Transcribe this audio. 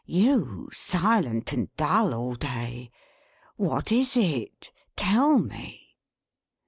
You silent and dull all day! What is it? Tell me!